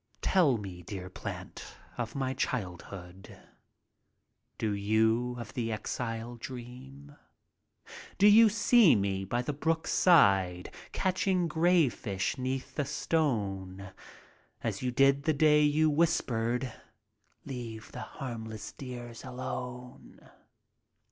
Tell me, dear plant, of my childhood, Do you of the exile dream? Do you see me by the brook's side, Catching grayfish 'neath the stone, As you did the day you whispered: "Leave the harmless dears alone?"